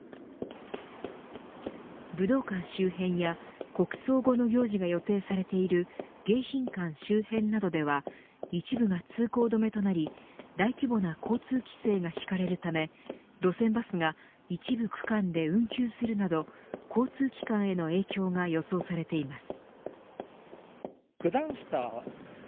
武道館周辺や国葬後の行事が予定されている迎賓館周辺などでは一部が通行止めとなり大規模な交通規制が敷かれるため路線バスが、一部区間で運休するなど交通機関への影響が予想されています。